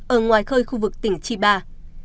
ở ngoài khơi khu vực tỉnh chiba